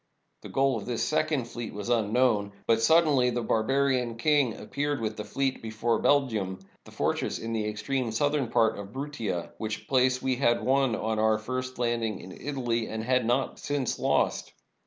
The goal of this second fleet was unknown. But suddenly the barbarian king himself appeared with the fleet before Belgium, the fortress in the extreme southern part of Bruttia, which place we had won on our first landing in Italy, and had not since lost.